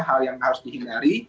hal yang harus dihindari